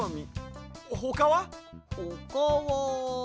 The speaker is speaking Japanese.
ほかは。